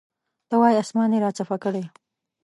ته وایې اسمان یې راچپه کړی.